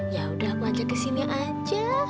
ya udah aku ajak ke sini aja